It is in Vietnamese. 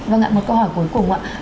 vâng ạ một câu hỏi cuối cùng ạ